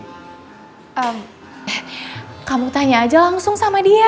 eh kamu tanya aja langsung sama dia